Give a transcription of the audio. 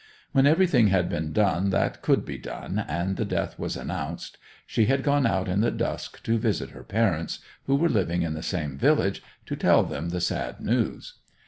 When everything had been done that could be done, and the death was announced, she had gone out in the dusk to visit her parents, who were living in the same village, to tell them the sad news.